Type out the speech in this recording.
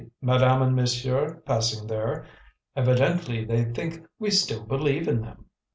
Madame and monsieur passing there evidently they think we still believe in them!"